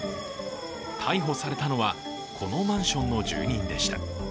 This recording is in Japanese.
逮捕されたのは、このマンションの住人でした。